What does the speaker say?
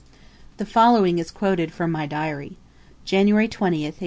The following is quoted from my Diary: January 20th, 1872.